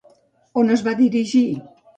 On es va dirigir?